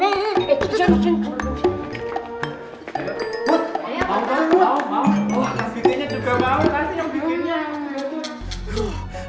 kas bikinnya juga mau